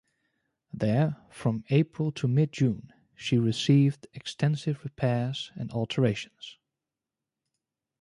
There, from April to mid-June, she received extensive repairs and alterations.